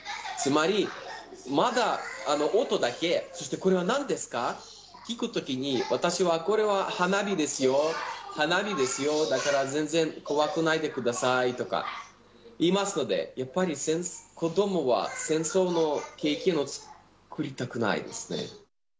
つまり、まだ音だけ、そしてこれはなんですか？と聞くときに、私はこれは花火ですよ、花火ですよ、だから全然怖くないでくださいとか言いますので、やっぱり子どもは戦争の経験を作りたくないですね。